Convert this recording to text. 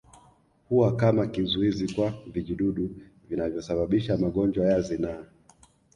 Huwa kama kizuizi kwa vijidudu vinavyosababisha magonjwa ya zinaa